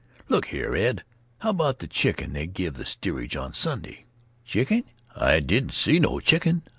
"Look here, Ed, how about the chicken they give the steerage on Sunday?" "Chicken? I didn't see no chicken.